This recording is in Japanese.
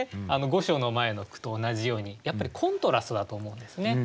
「御所の前」の句と同じようにやっぱりコントラストだと思うんですね。